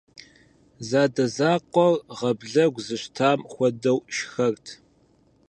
Зэадэзэкъуэр гъаблэгу зыщтам хуэдэу шхэрт.